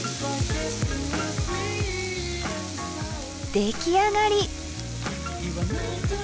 出来上がり。